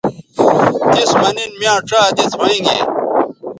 تس مہ نن میاں ڇا دس ھوینگے